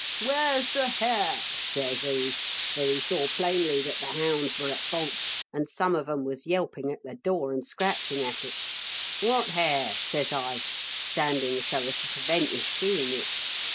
"* Where's the hare V says he, for he saw plainly that the hounds were at fault, and some of 'em was yelping at the door, and scratching at it "* What hare V says I, standing so as to prevent his seeing it.